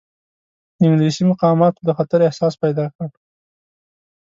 انګلیسي مقاماتو د خطر احساس پیدا کړ.